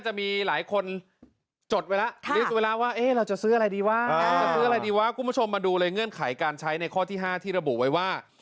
จะซื้ออะไรดีวะคุณผู้ชมมาดูเลยเงื่อนไขการใช้ในข้อที่๕ที่ระบุไว้ว่า